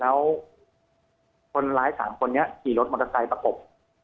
แล้วคนร้าย๓คนนี้ขี่รถมอเตอร์ไซค์ประกบ